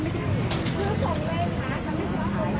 เมืองจัดการและเอกแระ